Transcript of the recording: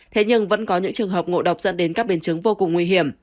thế nhưng vẫn có những trường hợp ngộ độc dẫn đến các biến chứng vô cùng nguy hiểm